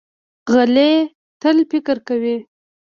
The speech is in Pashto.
غلی، تل فکر کوي.